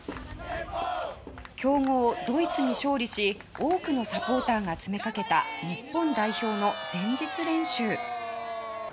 強豪ドイツに勝利し多くのサポーターが詰めかけた日本代表の前日練習。